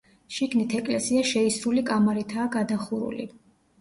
შიგნით ეკლესია შეისრული კამარითაა გადახურული.